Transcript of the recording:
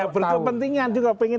berkepentingan juga pengen